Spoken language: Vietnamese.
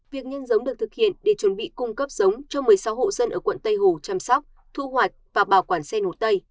việc nhân giống được thực hiện để chuẩn bị cung cấp giống cho một mươi sáu hộ dân ở quận tây hồ chăm sóc thu hoạch và bảo quản sen hồ tây